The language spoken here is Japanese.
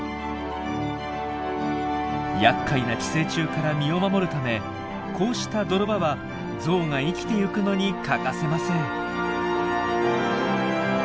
やっかいな寄生虫から身を守るためこうした泥場はゾウが生きてゆくのに欠かせません。